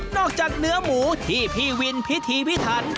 จากเนื้อหมูที่พี่วินพิธีพิถัน